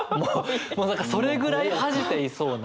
もう何かそれぐらい恥じていそうな。